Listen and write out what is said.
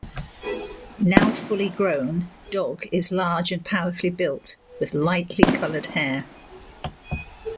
Now fully grown, Dog is large and powerfully built with lightly colored hair.